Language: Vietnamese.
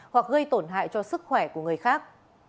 hoặc gây tổn hại cho sức khỏe của người khác